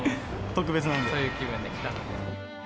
そういう気分で来たので。